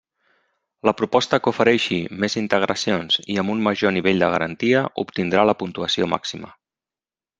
La proposta que ofereixi més integracions i amb un major nivell de garantia obtindrà la puntuació màxima.